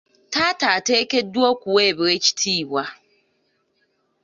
Taata ateekeddwa okuweebwa ekitiibwa.